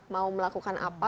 mau melakukan apa